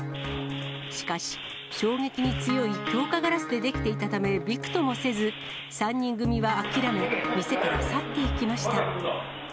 しかし、衝撃に強い強化ガラスで出来ていたためびくともせず、３人組は諦め、店から去っていきました。